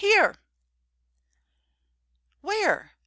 here!" "Where?